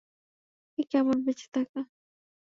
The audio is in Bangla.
এ কেমন বেঁচে থাকা!